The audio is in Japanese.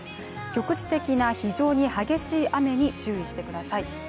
局地的な非常に激しい雨に注意してください。